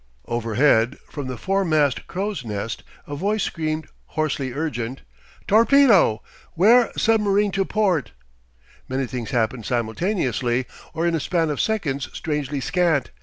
Overhead, from the foremast crow's nest, a voice screamed, hoarsely urgent: "Torpedo! 'Ware submarine to port!" Many things happened simultaneously, or in a span of seconds strangely scant.